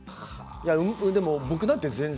でも僕なんて全然。